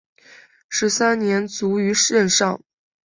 十三年卒于任上。